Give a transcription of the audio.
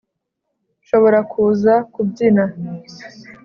nshobora kuza kubyina.